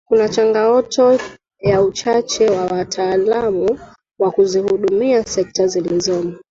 Kuna changaoto ya uchache wa wataalamu wa kuzihudumia sekta zilizomo